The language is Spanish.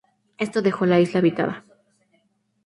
Esto dejó a la isla deshabitada.